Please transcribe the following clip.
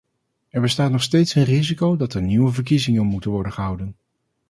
Er bestaat nog steeds een risico dat er nieuwe verkiezingen moeten worden gehouden.